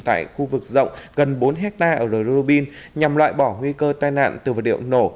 tại khu vực rộng gần bốn hectare ở đồi robin nhằm loại bỏ nguy cơ tai nạn từ vật điệu nổ